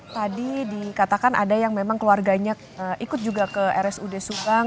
tadi dikatakan ada yang memang keluarganya ikut juga ke rsud subang